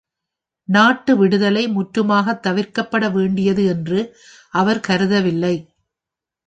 நாட்டு விடுதலை முற்றுமாகத் தவிர்க்கப்பட வேண்டியது என்று அவர் கருதவில்லை.